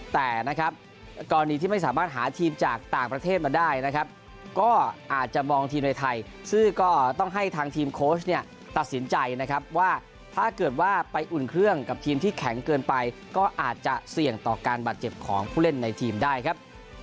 แต่นะครับกรณีที่ไม่สามารถหาทีมจากต่างประเทศมาได้นะครับก็อาจจะมองทีมในไทยซึ่งก็ต้องให้ทางทีมโค้ชเนี่ยตัดสินใจนะครับว่าถ้าเกิดว่าไปอุ่นเครื่องกับทีมที่แข็งเกินไปก็อาจจะเสี่ยงต่อการบาดเจ็บของผู้เล่นในทีมได้ครับ